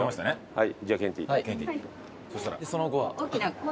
はい。